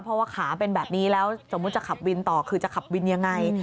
เพราะว่าขาเป็นแบบนี้แล้วสมมุติจะขับวินต่อคือจะขับวินยังไง